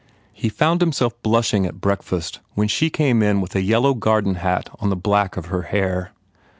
He found himself blushing at breakfast when she came in with a yellow garden hat on the black of her hair.